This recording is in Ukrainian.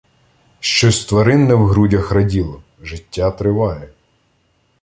Щось тваринне в грудях раділо: життя триває.